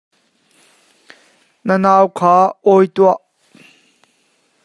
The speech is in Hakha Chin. Na nau kha awi tuah.